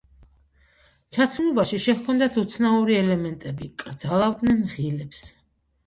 ჩაცმულობაში შეჰქონდათ უცნაური ელემენტები, კრძალავდნენ ღილებს.